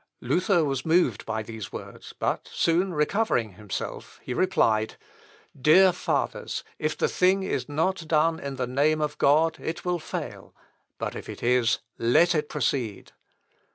Luther was moved by these words, but soon recovering himself, he replied, "Dear fathers, if the thing is not done in the name of God it will fail, but if it is, let it proceed."